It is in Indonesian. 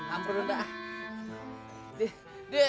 aduh hampir udah